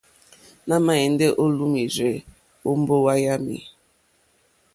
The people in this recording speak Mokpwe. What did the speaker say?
Nà ma ɛndɛ o lùumirzɛ̀ o mbowa yami.